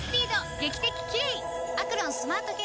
劇的キレイ！